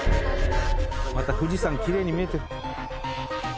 また富士山きれいに見えてる。